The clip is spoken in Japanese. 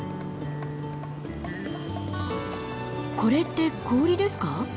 これって氷ですか？